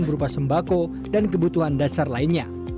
berupa sembako dan kebutuhan dasar lainnya